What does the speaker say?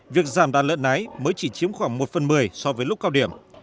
việc giảm đàn lợn nái mới chỉ chiếm khoảng một phần một mươi so với lúc cao điểm